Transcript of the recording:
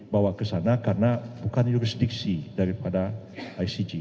bawa ke sana karena bukan jurisdiksi daripada icg